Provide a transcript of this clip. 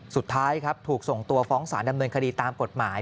สุดท้ายครับถูกส่งตัวฟ้องสารดำเนินคดีตามกฎหมาย